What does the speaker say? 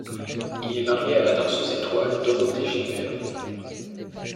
Il est marié à la danseuse étoile Dorothée Gilbert.